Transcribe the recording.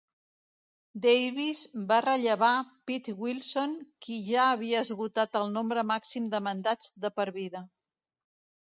Davis va rellevar Pete Wilson qui ja havia esgotat el nombre màxim de mandats de per vida.